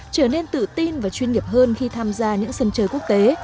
trở nên tự tin và chuyên nghiệp hơn khi tham gia những sân chơi quốc tế